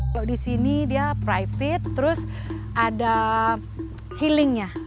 kalau disini dia private terus ada healingnya